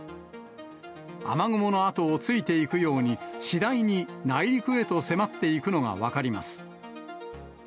雨雲の後をついていくように、次第に内陸へと迫っていくのが分かります。